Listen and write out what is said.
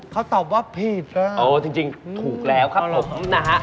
เขาตอบว่าผิดเออจริงถูกแล้วครับผมนะฮะ